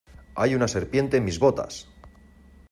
¡ Hay una serpiente en mis botas!